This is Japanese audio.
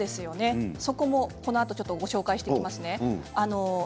そこもこのあとご紹介します。